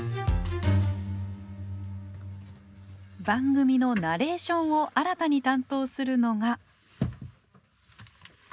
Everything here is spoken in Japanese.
番組のナレーションを新たに担当するのが。